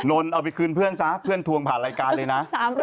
นนทเอาไปคืนเพื่อนซะเพื่อนทวงผ่านรายการเลยนะ